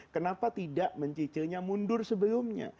kenapa tidak mencicilnya mundur sebelumnya